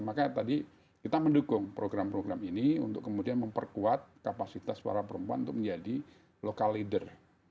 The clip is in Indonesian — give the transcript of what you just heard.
makanya tadi kita mendukung program program ini untuk kemudian memperkuat kapasitas para perempuan untuk menjadi local leader